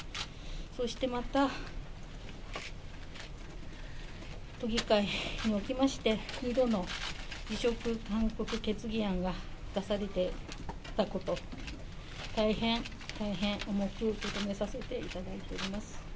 そしてまた、都議会におきまして、２度の辞職勧告決議案が出されたこと、大変大変重く受け止めさせていただいております。